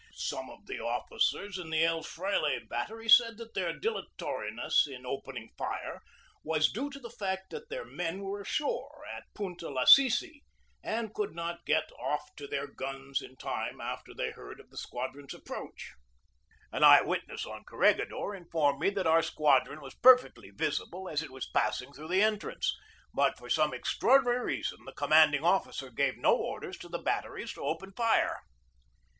Some of the officers in the El Fraile bat tery said that their dilatoriness in opening fire was due to the fact that their men were ashore at Punta Lasisi and could not get off to their guns in time after they heard of the squadron's approach. An eye witness on Corregidor informed me that our squadron was perfectly visible as it was passing through the entrance, but for some extraordinary reason the commanding officer gave no orders to the batteries to open fire.